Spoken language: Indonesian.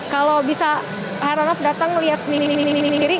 kalau bisa heran of datang lihat sendiri